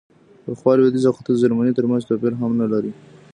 پخوا لوېدیځ او ختیځ جرمني ترمنځ توپیر هم نه لري.